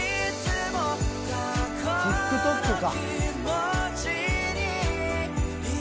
ＴｉｋＴｏｋか。